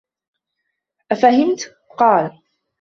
أَفَهِمْت ؟ قَالَ